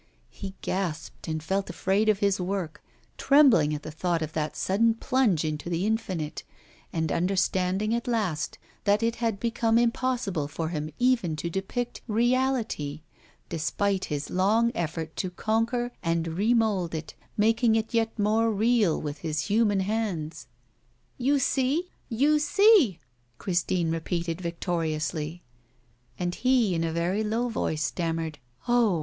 He gasped and felt afraid of his work, trembling at the thought of that sudden plunge into the infinite, and understanding at last that it had become impossible for him even to depict Reality, despite his long effort to conquer and remould it, making it yet more real with his human hands. 'You see! you see!' Christine repeated, victoriously. And he, in a very low voice, stammered: 'Oh!